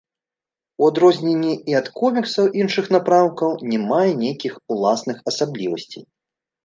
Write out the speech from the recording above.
У адрозненні і ад коміксаў іншых напрамкаў, не мае нейкіх уласных асаблівасцей.